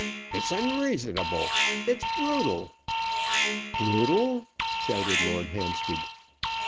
"It's unreasonable; it's brutal!" "Brutal!" shouted Lord Hampstead.